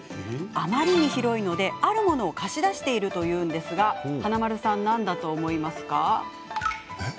あまりに広いので、あるものを貸し出しているんですが華丸さん、何だと思いますか？